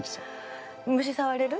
虫触れる？